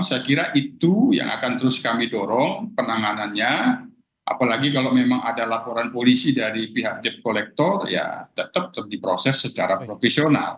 saya kira itu yang akan terus kami dorong penanganannya apalagi kalau memang ada laporan polisi dari pihak debt collector ya tetap diproses secara profesional